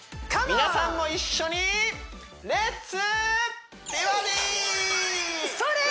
皆さんも一緒にそれー！